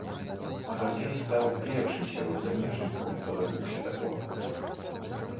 Гардзей стаў першым сярод замежнікаў, хто дамогся такога поспеху.